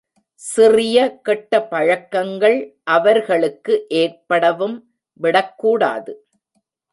சிறிய கெட்ட பழக்கங்கள் அவர்களுக்கு ஏற்படவும் விடக்கூடாது.